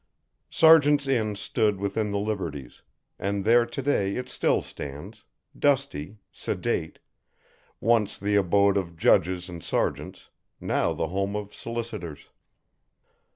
Sergeant's Inn stood within the liberties, and there to day it still stands, dusty, sedate, once the abode of judges and sergeants, now the home of solicitors.